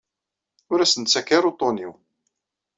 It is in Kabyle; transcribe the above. Ur asen-ttakk ara uṭṭun-iw.